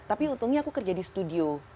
tapi untungnya aku kerja di studio